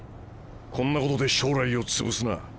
こんなことで将来をつぶすな！